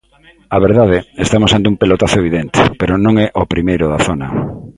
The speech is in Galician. A verdade, estamos ante un pelotazo evidente, pero non é o primeiro da zona.